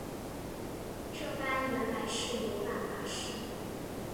这班原来是游览巴士